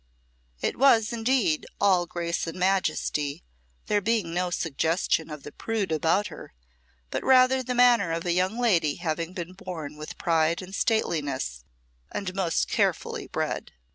It was, indeed, all grace and majesty, there being no suggestion of the prude about her, but rather the manner of a young lady having been born with pride and stateliness, and most carefully bred.